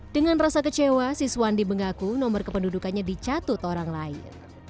dengan rasa kecewa siswandi mengaku nomor kependudukannya dicatut orang lain